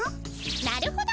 なるほど。